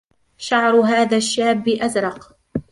شعر هذا الشاب أزرق.